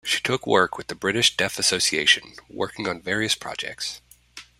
She took work with the British Deaf Association, working on various projects.